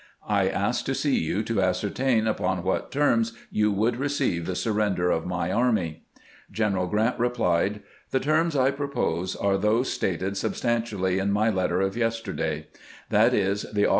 I asked to see you to ascertain upon what terms you would receive the surrender of my army." General Grant replied :" The terms I pro pose are those stated substan tially in my letter of yesterday ; that is, the oflB.